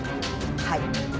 はい。